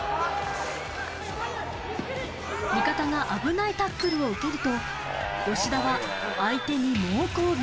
味方が危ないタックルを受けると、吉田は相手に猛抗議。